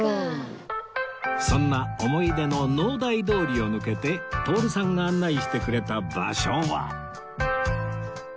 そんな思い出の農大通りを抜けて徹さんが案内してくれた場所は